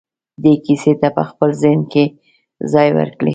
دې کيسې ته په خپل ذهن کې ځای ورکړئ.